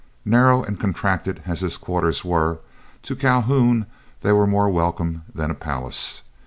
Narrow and contracted as his quarters were, to Calhoun they were more welcome than a palace.